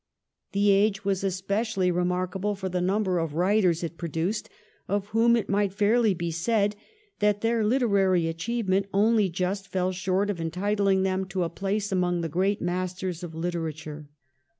The age was especially remarkable for the number of writers it produced, of whom it might fairly be said that their Uterary achievement only just fell short of entitling them to a place among the great masters of Uterature.